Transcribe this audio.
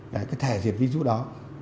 đấy cái thẻ diệt virus đó